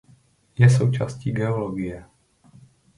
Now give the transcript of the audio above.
Je součástí geologie.